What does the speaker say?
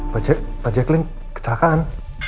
pak jek pak jekling kecelakaan